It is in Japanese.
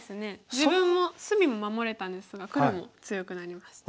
自分も隅も守れたんですが黒も強くなりました。